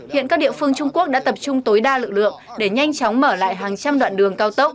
hiện các địa phương trung quốc đã tập trung tối đa lực lượng để nhanh chóng mở lại hàng trăm đoạn đường cao tốc